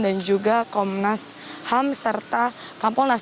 dan juga komnas ham serta kampung nas